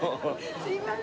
すいません。